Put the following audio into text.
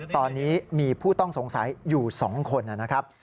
ตอนนี้มีผู้ต้องสงสัยอยู่๒คนนะครับ